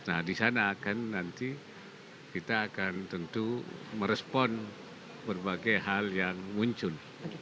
nah di sana akan nanti kita akan tentu merespon berbagai hal yang muncul